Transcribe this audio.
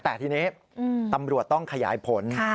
แต่ทีนี้ตำรวจต้องขยายผล